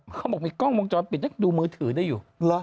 เขาบอกมีกล้องวงจรปิดดูมือถือได้อยู่